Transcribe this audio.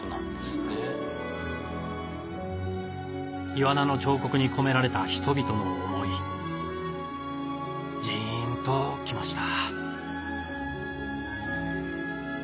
イワナの彫刻に込められた人々の思いじんと来ました